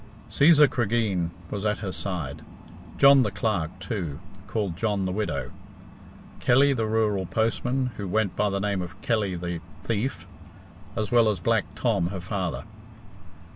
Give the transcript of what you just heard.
Cæsar Cregeen was at her side; John the Clerk, too, called John the Widow; Kelly, the rural postman, who went by the name of Kelly the Thief; as well as Black Tom, her father.